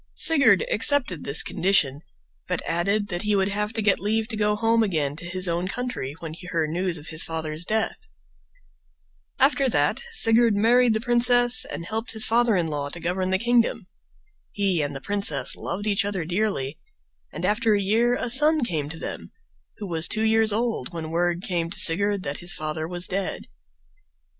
Sigurd accepted this condition, but added that he would have to get leave to go home again to his own country when he heard news of his father's death. After that Sigurd married the princess and helped his father in law to govern the kingdom. He and the princess loved each other dearly, and after a year a son came to them, who was two years old when word came to Sigurd that his father was dead.